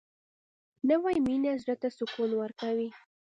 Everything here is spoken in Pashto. نوې مینه زړه ته سکون ورکوي